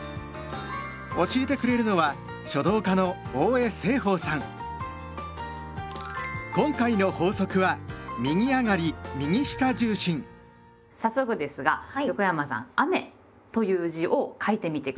教えてくれるのは今回の法則は早速ですが横山さん「雨」という字を書いてみて下さい。